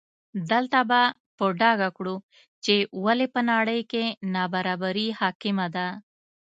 دلته به په ډاګه کړو چې ولې په نړۍ کې نابرابري حاکمه ده.